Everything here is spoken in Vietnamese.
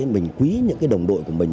mình quý những đồng đội của mình